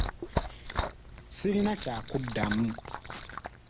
Sirina kyakuddamu.